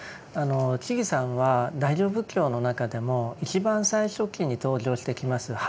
智さんは大乗仏教の中でも一番最初期に登場してきます「般若経典」